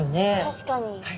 確かに。